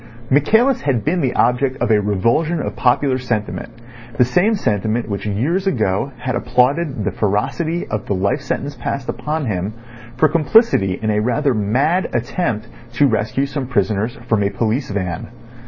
Michaelis had been the object of a revulsion of popular sentiment, the same sentiment which years ago had applauded the ferocity of the life sentence passed upon him for complicity in a rather mad attempt to rescue some prisoners from a police van.